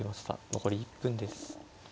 残り１分です。